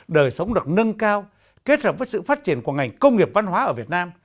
đời sống được nâng cao kết hợp với sự phát triển của ngành công nghiệp văn hóa ở việt nam